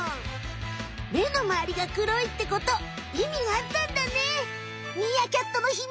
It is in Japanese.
目のまわりが黒いってこといみがあったんだね。